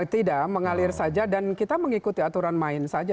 tidak mengalir saja dan kita mengikuti aturan main saja